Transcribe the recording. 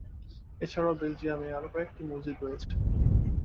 এছাড়াও বেলজিয়ামে আরো কয়েকটি মসজিদ রয়েছে।